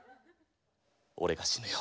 俺が死ぬよ。